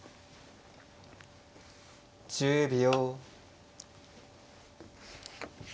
１０秒。